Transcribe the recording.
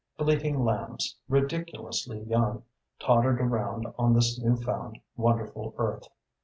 Bleatng lambs, ridiculously young, tottered around on this new found, wonderful earth.